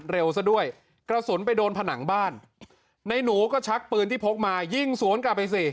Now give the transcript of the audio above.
ซะด้วยกระสุนไปโดนผนังบ้านในหนูก็ชักปืนที่พกมายิงสวนกลับไปสิ